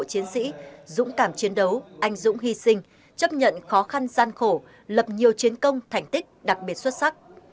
chiến sĩ dũng cảm chiến đấu anh dũng hy sinh chấp nhận khó khăn gian khổ lập nhiều chiến công thành tích đặc biệt xuất sắc